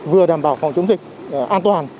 vừa đảm bảo phòng chống dịch an toàn